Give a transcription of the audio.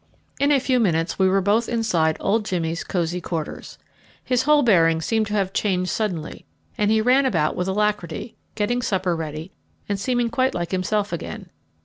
In a few minutes we were both inside old Jimmy's cosy quarters. His whole bearing seemed to have changed suddenly, and he ran about with alacrity, getting supper ready, and seeming quite like himself again.